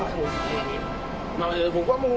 僕はもう。